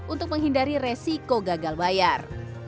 untuk menghindari resiko gagal bayar